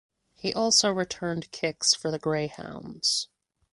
He also returned kicks for the Greyhounds.